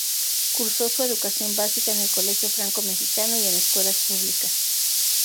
Cursó su educación básica en el Colegio Franco Mexicano y en escuelas públicas.